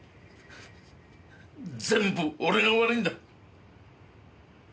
全部俺が悪いんだ。